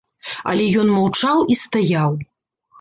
Але ён маўчаў і стаяў.